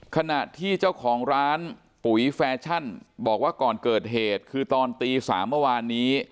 ขณะที่เจ้าของร้านปุ๋ยแฟชั่นบอกว่าก่อนเกิดเหตุคือตอนตี๓เมื่อวานนี้